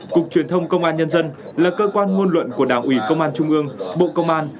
cục truyền thông công an nhân dân là cơ quan ngôn luận của đảng ủy công an trung ương bộ công an